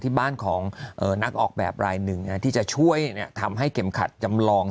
ที่บ้านของนักออกแบบรายหนึ่งที่จะช่วยทำให้เข็มขัดจำลอง